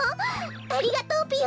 ありがとうぴよ！